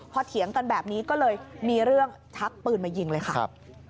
พอเถียงกันแบบนี้ก็เลยมีเรื่องชักปืนมายิงเลยค่ะ